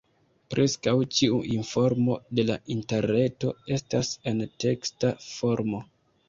Preskaŭ ĉiu informo de la Interreto estas en teksta formo.